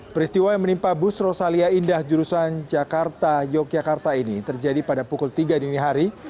peristiwa yang menimpa bus rosalia indah jurusan jakarta yogyakarta ini terjadi pada pukul tiga dini hari